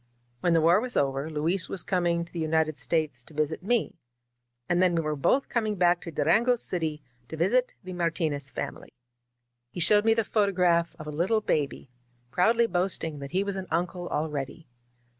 When the war was over, Luis was coming to the United States to visit me; and then we were both coming back to Durango City to visit the Martinez family. He showed me the photograph of a little baby, proudly boasting that he was an uncle already.